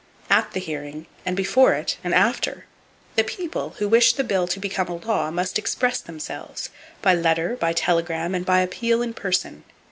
At the hearing, and before it and after, the People who wish the bill to become a law must express themselves,—by letter, by telegram, and by appeal in person.